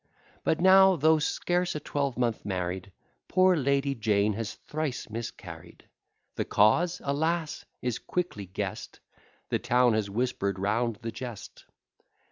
But now, though scarce a twelvemonth married, Poor Lady Jane has thrice miscarried: The cause, alas! is quickly guest; The town has whisper'd round the jest.